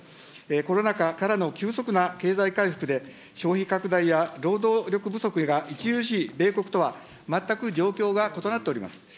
コロナ禍からの急速な経済回復で、消費拡大や労働力不足が著しい米国とは、全く状況が異なっております。